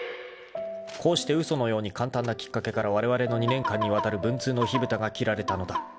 ［こうして嘘のように簡単なきっかけからわれわれの２年間にわたる文通の火ぶたが切られたのだ］